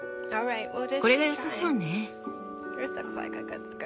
これがよさそうね。